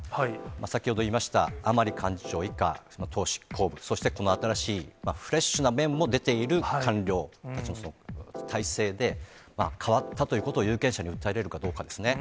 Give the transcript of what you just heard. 先ほど言いました、甘利幹事長以下、党執行部、そしてこの新しいフレッシュな面も出ている官僚たちの体制で、変わったということを有権者に訴えられるかどうかですね。